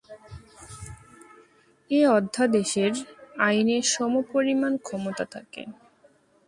এ অধ্যাদেশের আইনের সমপরিমাণ ক্ষমতা থাকে।